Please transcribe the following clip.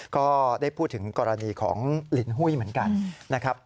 ก็ได้พูดถึงกรณีของลินหุ้ยเหมือนกันนะครับ